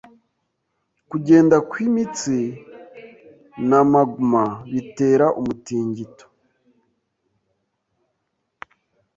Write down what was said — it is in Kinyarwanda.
Kugenda kwimitsi na magma bitera umutingito